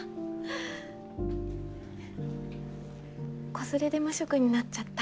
子連れで無職になっちゃった。